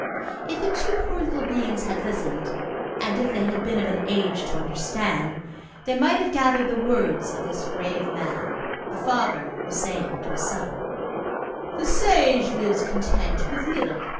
If the two poor little beings had listened and if they had been of an age to understand, they might have gathered the words of this grave man. The father was saying to his son: "The sage lives content with little.